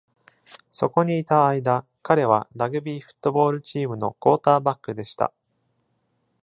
そこにいた間、彼はラグビー・フットボールチームのクォーターバックでした。